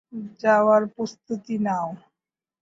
যাওয়ার প্রস্তুতি নাও।